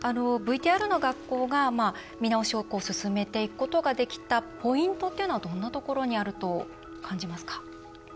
ＶＴＲの学校が見直しを進めていくことができたポイントというのはどんなところにあると感じますか。